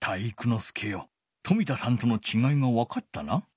介よ冨田さんとのちがいがわかったな？